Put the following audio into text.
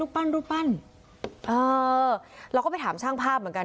ลูกปั้นต่อลูกปั้นเออแล้วก็ไปถามช่างภาพเหมือนกัน